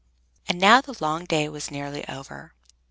And now the long day was nearly over.